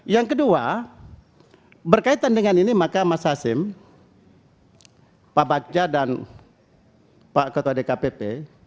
yang kedua berkaitan dengan ini maka mas hasim pak bagja dan pak ketua dkpp